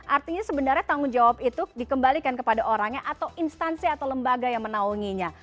artinya sebenarnya tanggung jawab itu dikembalikan kepada orangnya atau instansi atau lembaga yang menaunginya